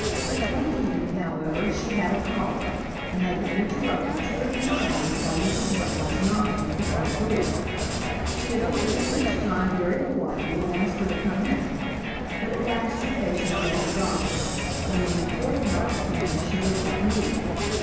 One evening, however, she had a caller, and had been interrupted two or three times by Mrs. Brown's knocking at the front door. She had opened it each time very politely and asked her to come in, but at last her patience was exhausted, and when the fourth knock came she did not move.